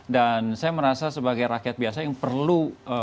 saya merasa sebagai rakyat biasa yang perlu